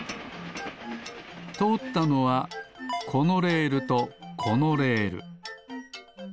とおったのはこのレールとこのレール。